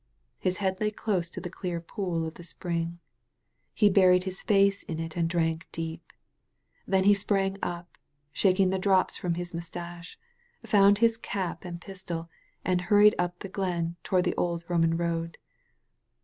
His head lay close to the clear pool of the spring. He buried his face in it and drank deep. Then he sprang up, shaking the drops from his mustache^ found his cap and pistol, and hurried up the glen toward the old Roman road.